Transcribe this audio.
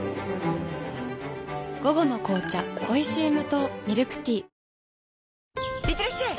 午後の紅茶おいしい無糖ミルクティーいってらっしゃい！